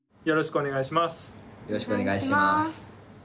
よろしくお願いします。